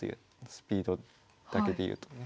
スピードだけでいうとね。